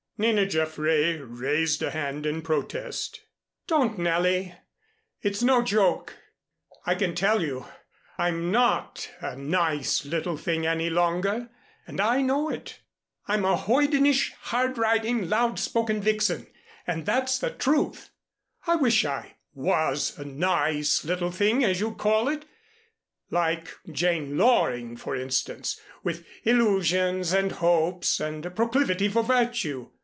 Nina Jaffray raised a hand in protest. "Don't, Nellie, it's no joke, I can tell you. I'm not a nice little thing any longer, and I know it. I'm a hoydenish, hard riding, loud spoken vixen, and that's the truth. I wish I was a 'nice little thing' as you call it, like Jane Loring for instance, with illusions and hopes and a proclivity for virtue.